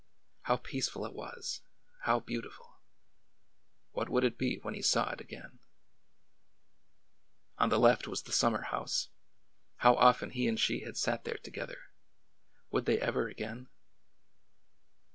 How peaceful it was ! how beautiful ! What would it be when he saw it again ? On the left was the summer house. How often he and she had sat there together! Would they ever again?